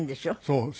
そう。